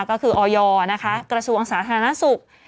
ก็คือออยนะคะกระทรวงสาธารณสุข